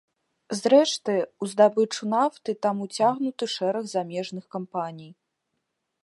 Зрэшты, у здабычу нафты там уцягнуты шэраг замежных кампаній.